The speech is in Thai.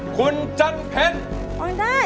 คุณจันเพชรร้องได้